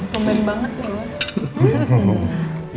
kompen banget ya